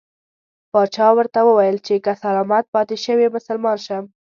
پاچا ورته وویل چې که سلامت پاته شوې مسلمان شم.